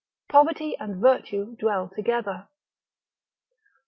Poverty and Virtue dwell together.